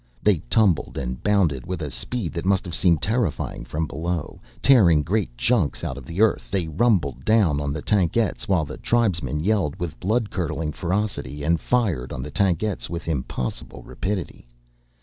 They tumbled and bounded with a speed that must have seemed terrifying from below. Tearing great chunks out of the earth, they rumbled down on the tankettes while the tribesmen yelled with bloodcurdling ferocity and fired on the tankettes with impossible rapidity.